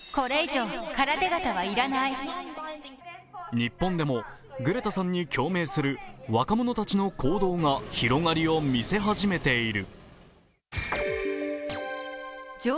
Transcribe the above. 日本でもグレタさんに共鳴する若者たちの行動が広がりを見せ始めている。